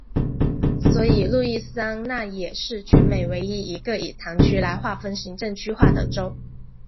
所以路易斯安那也是全美唯一一个以堂区来划分行政区划的州。